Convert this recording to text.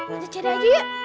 ayo cari aja yuk